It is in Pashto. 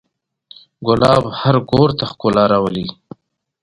ګلاب هر کور ته ښکلا راولي.